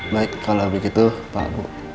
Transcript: baik kalau begitu pak bu